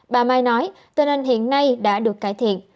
bà mai nói tình hình hiện nay đã được cải thiện